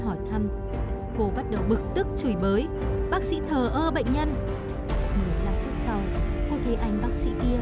hỏi thăm cô bắt đầu bực tức chửi bới bác sĩ thờ ơ bệnh nhân một mươi năm phút sau cô thấy anh bác sĩ kia